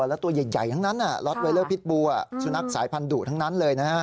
แล้วตัวใหญ่ทั้งนั้นล็อตไวเลอร์พิษบูสุนัขสายพันธุทั้งนั้นเลยนะฮะ